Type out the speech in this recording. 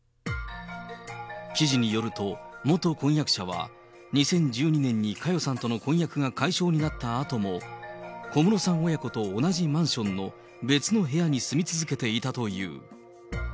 記事によると、元婚約者は、２０１２年に佳代さんとの婚約が解消になったあとも、小室さん親子と同じマンションの別の部屋に住み続けていたという。